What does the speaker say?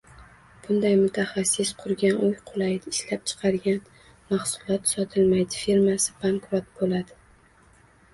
Bunday mutaxassis qurgan uy qulaydi, ishlab chiqargan mahsulot sotilmaydi, firmasi bankrot boʻladi.